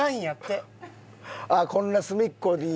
あっこんな隅っこに。